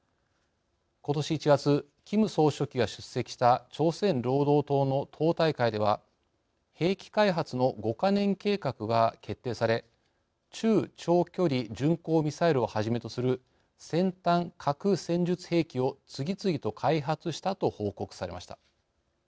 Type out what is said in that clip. ことし１月キム総書記が出席した朝鮮労働党の党大会では兵器開発の５か年計画が決定され中・長距離巡航ミサイルをはじめとする先端核戦術兵器を次々と開発したと報告されました。